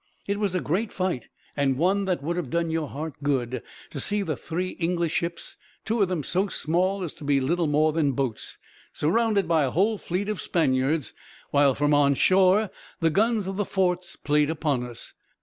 "It was a great fight, and one that would have done your heart good, to see the three English ships, two of them so small as to be little more than boats, surrounded by a whole fleet of Spaniards, while from on shore the guns of the forts played upon us.